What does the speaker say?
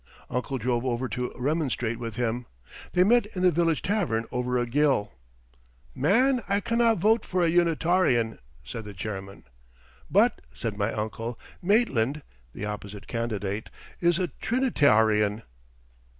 Uncle drove over to remonstrate with him. They met in the village tavern over a gill: "Man, I canna vote for a Unitawrian," said the Chairman. "But," said my uncle, "Maitland [the opposing candidate] is a Trinitawrian."